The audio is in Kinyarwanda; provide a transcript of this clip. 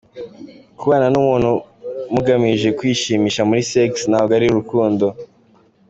Kubana n’umuntu mugamije kwishimisha muli sex, ntabwo ari urukondo.